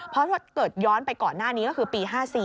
เพราะถ้าเกิดย้อนไปก่อนหน้านี้ก็คือปี๕๔